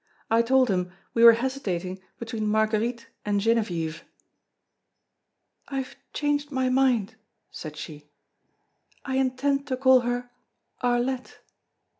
I told him we were hesitating between Marguerite and Genevieve." "I have changed my mind," said she. "I intend to call her Arlette."